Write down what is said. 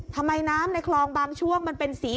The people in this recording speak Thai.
ทำไมน้ำในคลองบางช่วงมันเป็นสี